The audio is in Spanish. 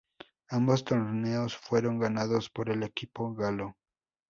Ambos torneos fueron ganados por el equipo "galo".